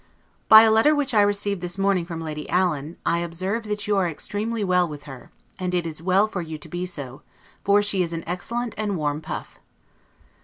By a letter which I received this morning from Lady Allen, I observe that you are extremely well with her; and it is well for you to be so, for she is an excellent and warm puff.